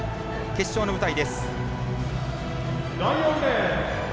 決勝の舞台です。